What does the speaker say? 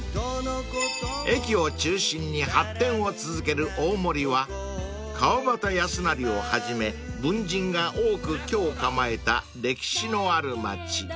［駅を中心に発展を続ける大森は川端康成をはじめ文人が多く居を構えた歴史のある町］